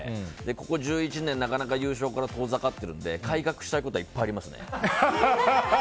ここ１１年優勝から遠ざかってるので改革したいことはいっぱいありますね。